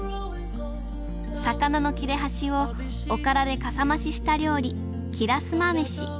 魚の切れ端をおからでかさ増しした料理きらすまめし。